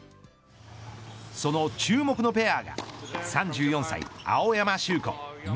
その注目のペアが３４歳、青山修子